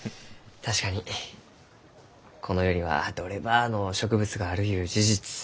確かにこの世にはどればあの植物があるゆう事実。